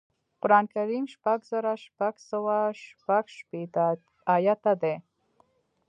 قران کریم شپږ زره شپږ سوه شپږشپېته ایاته دی